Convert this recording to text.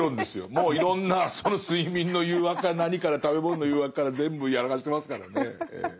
もういろんな睡眠の誘惑から何から食べ物の誘惑から全部やらかしてますからねええ。